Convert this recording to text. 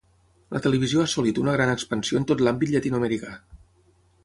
La televisió ha assolit una gran expansió en tot l'àmbit llatinoamericà.